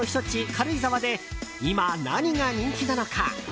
軽井沢で今、何が人気なのか。